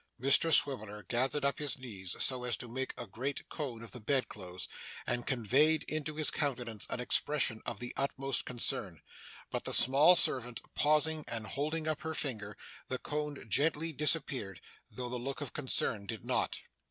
Mr Swiveller gathered up his knees so as to make a great cone of the bedclothes, and conveyed into his countenance an expression of the utmost concern. But the small servant pausing, and holding up her finger, the cone gently disappeared, though the look of concern did not.